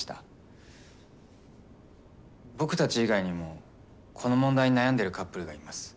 僕たち以外にもこの問題に悩んでいるカップルがいます。